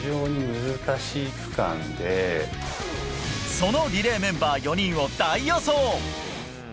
そのリレーメンバー４人を大予想。